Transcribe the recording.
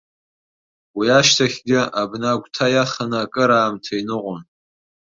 Уи ашьҭахьгьы, абна агәҭа иаханы акыраамҭа иныҟәон.